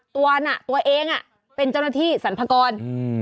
ตัวน่ะตัวเองอ่ะเป็นเจ้าหน้าที่สรรพากรอืม